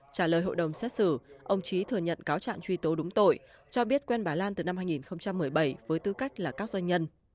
trả lời hội đồng xét xử ông trí thừa nhận cáo trạng truy tố đúng tội cho biết quen bà lan từ năm hai nghìn một mươi bảy với tư cách là các doanh nhân